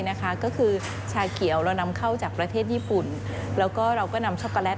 นะคะก็คือชาเขียวเรานำเข้าจากประเทศญี่ปุ่นแล้วก็เราก็นำช็อกโกแลต